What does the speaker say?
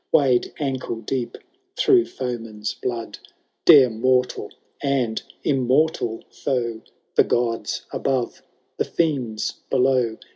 Wade ankle deep through foeman's blood. Dare mortal and immortal foe. The gods above, the fiends below.